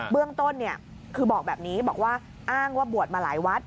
เรื่องต้นคือบอกแบบนี้บอกว่าอ้างว่าบวชมาหลายวัด